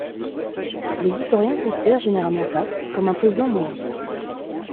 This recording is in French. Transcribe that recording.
Les historiens considèrent généralement Taft comme un président moyen.